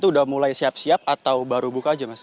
udah mulai siap siap atau baru buka aja mas